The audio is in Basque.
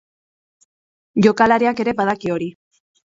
Jokalariak ere badaki hori.